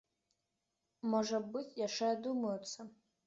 Можа быць, яшчэ адумаюцца.